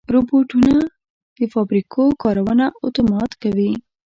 روبوټونه د فابریکو کارونه اتومات کوي.